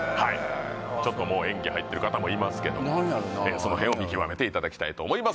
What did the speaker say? ちょっともう演技入ってる方もいますけどその辺を見極めていただきたいと思います